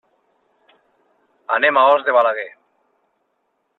Anem a Os de Balaguer.